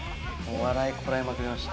笑いこらえまくりました。